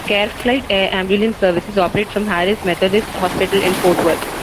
CareFlite air ambulance services operate from Harris Methodist Hospital in Fort Worth.